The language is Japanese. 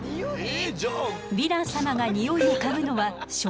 ヴィラン様がニオイを嗅ぐのは触覚。